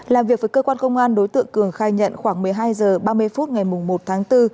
làm việc với cơ quan công an đối tượng cường khai nhận khoảng một mươi hai h ba mươi phút ngày một tháng bốn